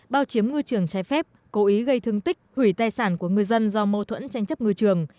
bao chiếm ngư trường trái phép cố ý gây thương tích hủy tài sản của ngư dân do mâu thuẫn tranh chấp ngư trường